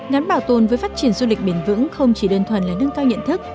ngắn bảo tồn với phát triển du lịch biển vững không chỉ đơn thuần lên nâng cao nhận thức